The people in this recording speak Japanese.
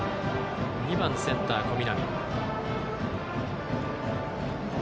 続いて２番センター、小南。